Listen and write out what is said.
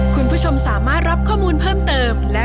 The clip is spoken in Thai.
คุณล่ะโหลดแล้ว